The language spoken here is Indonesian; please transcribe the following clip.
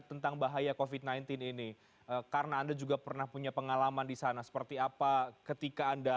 tentang bahaya covid sembilan belas ini karena anda juga pernah punya pengalaman di sana seperti apa ketika anda